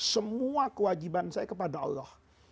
semua kewajiban saya kepada allah